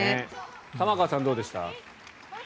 玉川さん、どうでした？